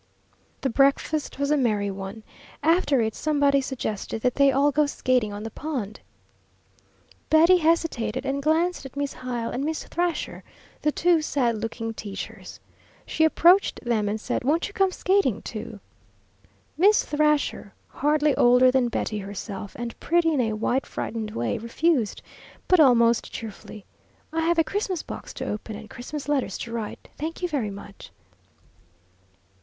The breakfast was a merry one. After it somebody suggested that they all go skating on the pond. Betty hesitated and glanced at Miss Hyle and Miss Thrasher, the two sad looking teachers. She approached them and said, "Won't you come skating, too?" Miss Thrasher, hardly older than Betty herself, and pretty in a white frightened way, refused, but almost cheerfully. "I have a Christmas box to open and Christmas letters to write. Thank you very much."